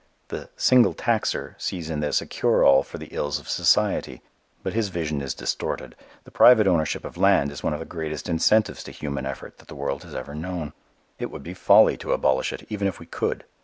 The "single taxer" sees in this a cure all for the ills of society. But his vision is distorted. The private ownership of land is one of the greatest incentives to human effort that the world has ever known. It would be folly to abolish it, even if we could.